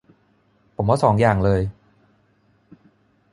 ผมว่าสองอย่างเลย